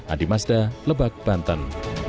adi masda lebak banten